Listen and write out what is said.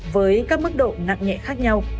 với các mức độ nặng nhẹ khác nhau